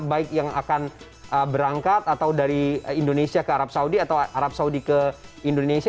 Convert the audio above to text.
baik yang akan berangkat atau dari indonesia ke arab saudi atau arab saudi ke indonesia